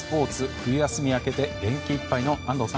冬休みが明けて元気いっぱいの安藤さん。